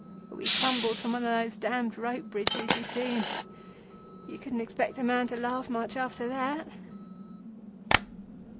But we tumbled from one of those damned rope bridges, you see, and you couldn't expect a man to laugh much after that."